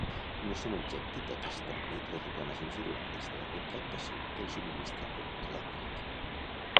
No són objecte d'aquest tràmit les reclamacions derivades de la contractació del subministrament elèctric.